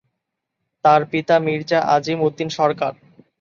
তার পিতা মির্জা আজিম উদ্দীন সরকার।